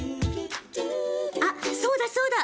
あっそうだそうだ！